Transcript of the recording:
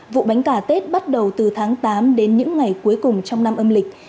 vụ bánh gà tết bắt đầu từ tháng tám đến những ngày cuối cùng trong năm âm lịch